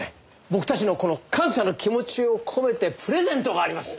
僕たちのこの感謝の気持ちを込めてプレゼントがあります。